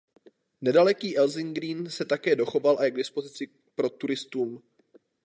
Nedaleký Elsing Green se také dochoval a je k dispozici pro turistům.